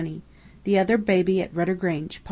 THE OTHER BABY AT RUDDER GRANGE.